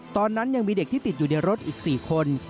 ส่วนรำไยของชาวบ้าน